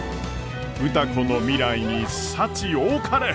歌子の未来に幸多かれ！